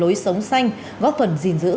là lối sống xanh góp phần gìn giữ